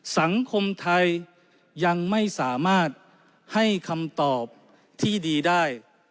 สังคมไทยยังไม่สามารถให้คำตอบที่ดีได้